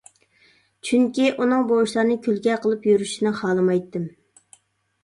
چۈنكى، ئۇنىڭ بۇ ئىشلارنى كۈلكە قىلىپ يۈرۈشىنى خالىمايتتىم.